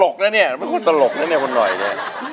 กนะเนี่ยไม่พูดตลกนะเนี่ยคุณหน่อยเนี่ย